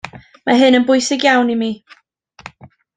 Mae hyn yn bwysig iawn i mi.